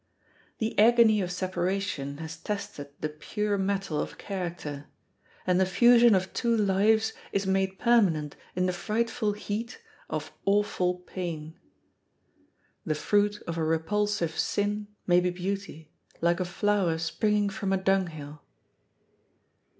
The agony of separation has tested the pure metal of character; and the fusion of two lives is made permanent in the frightful heat of awful pain. The fruit of a repulsive sin may be Beauty, like a flower springing from a dung hill.